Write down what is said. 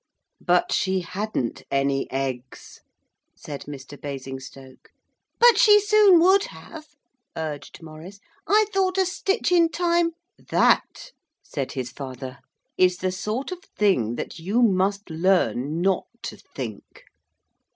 'But she hadn't any eggs,' said Mr. Basingstoke. 'But she soon would have,' urged Maurice. 'I thought a stitch in time ' 'That,' said his father, 'is the sort of thing that you must learn not to think.'